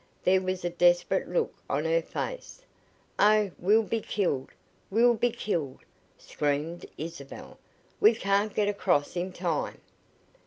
There was a desperate look on her face. "Oh, we'll be killed! We'll be killed!" screamed Isabel. "We can't get across in time!"